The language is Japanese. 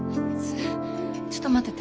ちょっと待ってて。